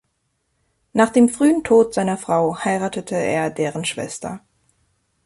Nach dem frühen Tod seiner Frau heiratete er deren Schwester.